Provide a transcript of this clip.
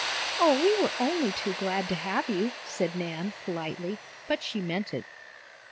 "Oh, we were only too glad to have you," said Nan, politely, but she meant it.